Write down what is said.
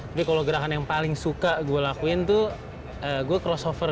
tapi kalau gerakan yang paling suka gue lakuin tuh gue crossover